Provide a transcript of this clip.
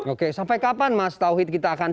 oke sampai kapan mas tauhid kita akan